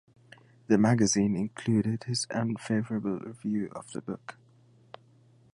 The magazine included his unfavorable review of the book.